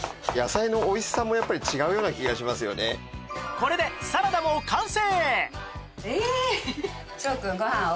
これでサラダも完成！